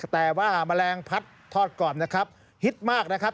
แต่ว่าแมลงพัดทอดก่อนนะครับฮิตมากนะครับ